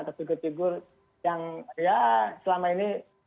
atau figur figur yang ya selama ini